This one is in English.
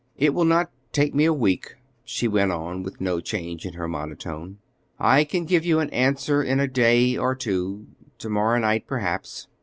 "It will not take me a week," she went on with no change in her monotone; "I can give you an answer in a day or two. To morrow night, perhaps."